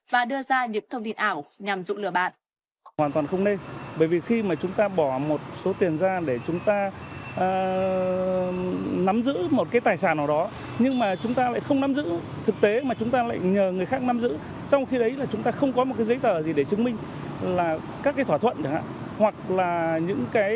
và đưa ra những thông tin ảo nhằm dụ lừa bạn